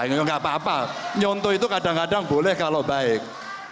enggak apa apa nyonto itu kadang kadang boleh kalau baik